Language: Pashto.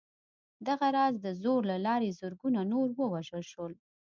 دغه راز د زور له لارې زرګونه نور ووژل شول